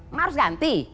mak harus ganti